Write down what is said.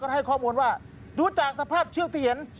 ให้ข้อมูลว่าดูจากสภาพเชือกที่เห็น